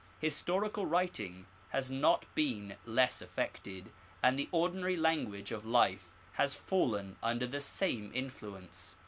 Historical writing has not been less affected, and the ordinary language of life has fallen under the same influence.